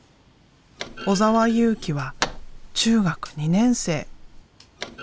尾澤佑貴は中学２年生。